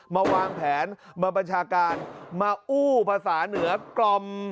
มาวางแผนมาบัญชาการมาอู้ภาษาเหนือกล่อม